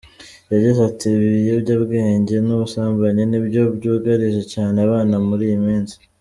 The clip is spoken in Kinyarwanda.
Yagize ati “Ibiyobyabwenge n’ubusambanyi ni byo byugarije cyane abana muri iyi minsi.